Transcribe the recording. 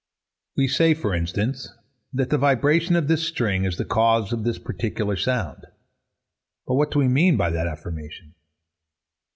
We say, for instance, that the vibration of this string is the cause of this particular sound. But what do we mean by that affirmation?